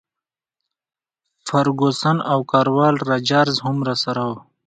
فرګوسن او کراول راجرز هم راسره وو.